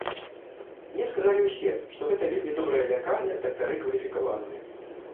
Мне сказалі ўсе, што гэта вельмі добрая лякарня дактары кваліфікаваныя.